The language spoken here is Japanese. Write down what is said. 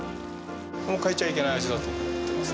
変えちゃいけない味だと思ってます。